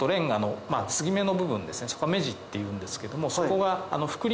目地っていうんですけどもそこが。